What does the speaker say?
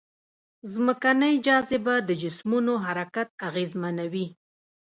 ځمکنۍ جاذبه د جسمونو حرکت اغېزمنوي.